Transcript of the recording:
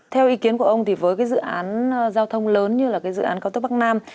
theo ý kiến của ông thì với cái dự án giao thông lớn như là cái dự án cao tốc bắc nam